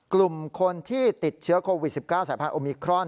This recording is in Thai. กลุ่มคนที่ติดเชื้อโควิด๑๙สายพันธุมิครอน